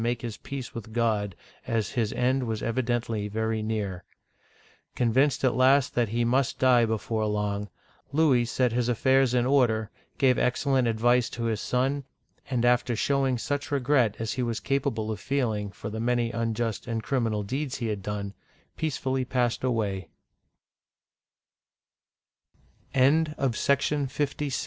make his peace with God, as his end was evidently very near. Convinced at last that he must die before long, Louis set his affairs in order, gave excellent advice to his son, and after showing such regret as he was capable of feeling for the many unjust and criminal deeds he had done, pe